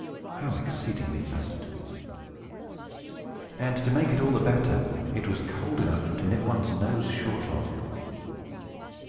How exceedingly pleasant! And, to make it all the better, it was cold enough to nip one's nose short off!